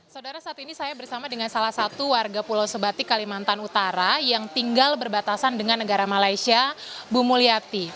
saudara saat ini saya bersama dengan salah satu warga pulau sebatik kalimantan utara yang tinggal berbatasan dengan negara malaysia bu mulyati